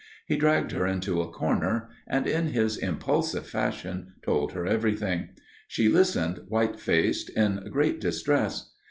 He dragged her into a corner and in his impulsive fashion told her everything. She listened white faced, in great distress.